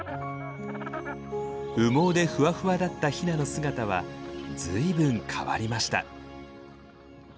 羽毛でフワフワだったヒナの姿は随分変わりました。